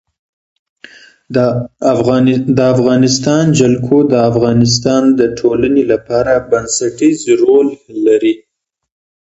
د افغانستان جلکو د افغانستان د ټولنې لپاره بنسټيز رول لري.